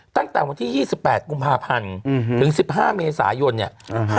ตั้งแต่วันที่๒๘กุมภาพันธ์ถึง๑๕เมษายนเนี่ย